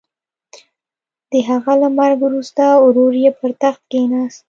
د هغه له مرګ وروسته ورور یې پر تخت کېناست.